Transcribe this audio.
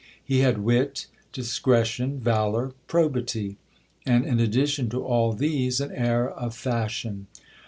He had wit, discretion, valour, probity ; and in addition to all these, an air of fashion.